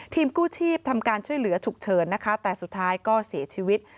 กู้ชีพทำการช่วยเหลือฉุกเฉินนะคะแต่สุดท้ายก็เสียชีวิต